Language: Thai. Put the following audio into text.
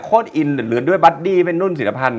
โคตรอินเหลือนด้วยบัดดี้เป็นรุ่นศิลภัณฑ์